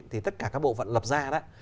thì tất cả cán bộ vẫn lập ra đó